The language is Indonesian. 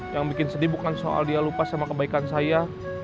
yang bikin sedih bukan soal dia lupa sama kebaikan saya